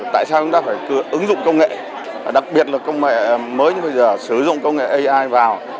tại sao chúng ta phải ứng dụng công nghệ đặc biệt là công nghệ mới như bây giờ sử dụng công nghệ ai vào